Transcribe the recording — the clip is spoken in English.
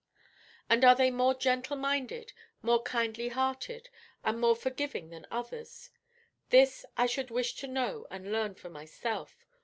and are they more gentle minded, more kindly hearted, and more forgiving than others? This I should wish to know and learn for myself.